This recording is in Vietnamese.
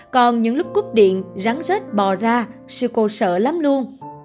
còn những lúc cúp điện rắn rớt bò ra sư cô sợ lắm luôn